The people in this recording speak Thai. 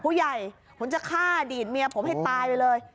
ผู้ใหญ่ผมจะฆ่าอดีตเมียผมให้ตายไปเลย